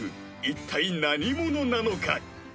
一体何者なのか？